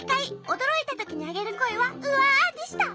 おどろいたときにあげるこえは「うわ！」でした。